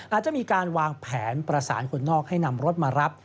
อาจจะมีการวางแผนประสานคนนอกให้นำรถมารับ